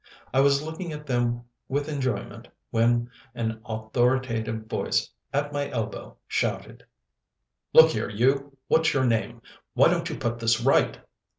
I was looking at them with enjoyment when an authoritative voice at my elbow shouted: "Look here, you. What's your name! Why don't you put this right?"